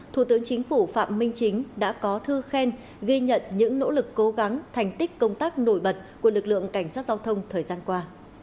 thủ tướng chính phủ phạm minh chính đã có thư khen ghi nhận những nỗ lực cố gắng thành tích công tác nổi bật của lực lượng cảnh sát giao thông thời gian qua